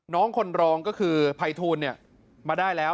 น้องคนรองก็คือภัยทูลมาได้แล้ว